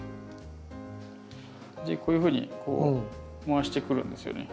でこういうふうにこう回してくるんですよね。